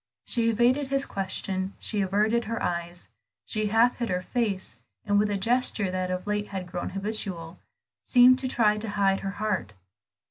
She evaded his question, she averted her eyes, she half hid her face, and with a gesture that of late had grown habitual, seemed to try to hide her heart.